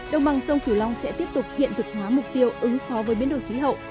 đồng bằng sông kiều long sẽ tiếp tục hiện thực hóa mục tiêu ứng phó với biến đổi khí hậu